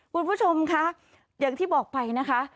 คุณผู้ชมคะอย่างที่บอกไปนะคะ